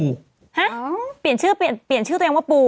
ฮะเปลี่ยนชื่อเปลี่ยนเปลี่ยนชื่อตัวเองว่าปู